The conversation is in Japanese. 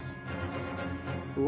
うわ！